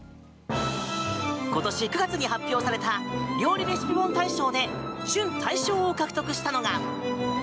今年９月に発表された料理レシピ本大賞で準大賞を獲得したのが。